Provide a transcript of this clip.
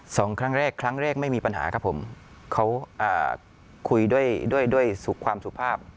สองครั้งแรกครั้งแรกไม่มีปัญหาครับผมเขาอ่าคุยด้วยด้วยด้วยสุขความสุภาพ